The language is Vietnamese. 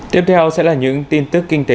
tiếp theo sẽ là những tin tức kinh tế